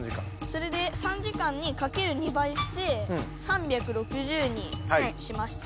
それで３時間にかける２倍して３６０にしました。